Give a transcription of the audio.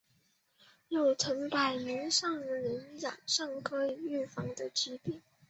有成百万的人染上可以预防的疾病。